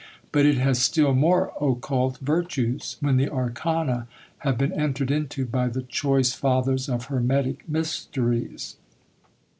but it has still more occult virtues, when the arcana have been entered into by the choice fathers of hermetic mysteries.